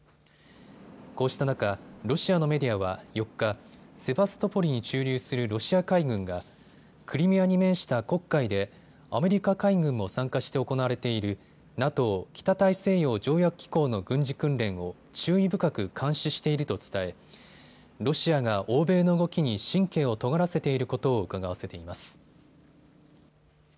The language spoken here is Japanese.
こうした中、ロシアのメディアは４日、セバストポリに駐留するロシア海軍がクリミアに面した黒海でアメリカ海軍も参加して行われているＮＡＴＯ・北大西洋条約機構の軍事訓練を注意深く監視していると伝え、ロシアが欧米の動きに神経をとがらせていることをうかがわせています。